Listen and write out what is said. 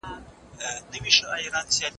لوستونکي بايد له نويو اصطلاحاتو سره بلد شي.